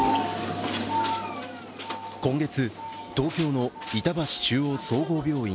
今月、東京の板橋中央総合病院。